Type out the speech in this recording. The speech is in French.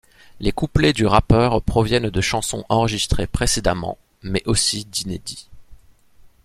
Les couplets du rappeur proviennent de chansons enregistrées précédemment mais aussi d'inédits.